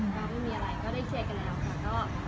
แล้วไม่มีอะไรก็ได้เชื่อกันแล้วค่ะ